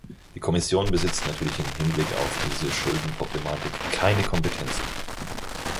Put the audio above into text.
Die Kommission besitzt natürlich im Hinblick auf diese Schuldenproblematik keine Kompetenzen.